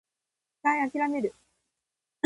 一回諦める